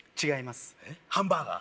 違います